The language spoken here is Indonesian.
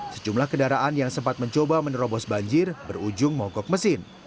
sejumlah kendaraan yang sempat mencoba menerobos banjir berujung mogok mesin